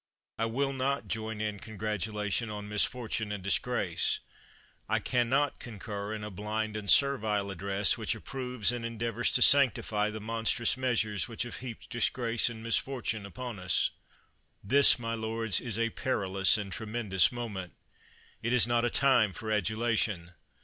I will not join in congratulation on misfortune and disgrace. I can not concur in a blind and servile address, which approves and endeavors to sanctify the monstrous measures which have heaped disgrace and misfortune upon us. This, my lords, is a perilous and tremendous moment! It is not a time for adulation.